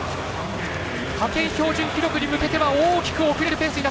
派遣標準記録に向けては大きく遅れるペース。